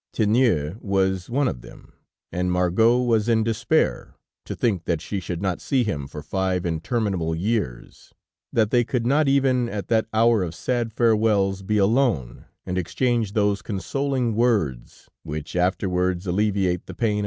Tiennou was one of them, and Margot was in despair to think that she should not see him for five interminable years, that they could not even, at that hour of sad farewells, be alone and exchange those consoling words which afterwards alleviate the pain of absence.